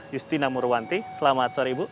justina murwanti selamat sore bu